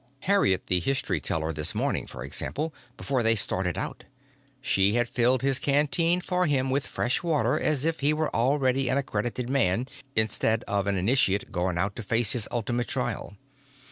Harriet the History Teller this morning, for example, before they started out. She had filled his canteen for him with fresh water as if he were already an accredited man instead of an initiate going out to face his ultimate trial.